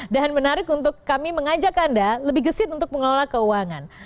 dan menarik untuk kami mengajak anda lebih gesit untuk mengelola keuangan